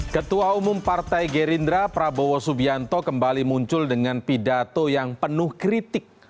ketua umum partai gerindra prabowo subianto kembali muncul dengan pidato yang penuh kritik